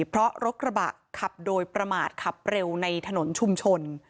เพราะรถกระบะขับโดยประมาทขับเร็วในถนนชุมชน